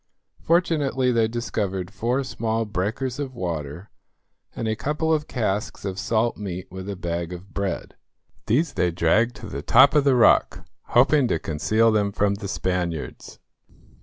Fortunately they discovered four small breakers of water, and a couple of casks of salt meat with a bag of bread. These they dragged to the top of the rock, hoping to conceal them from the Spaniards.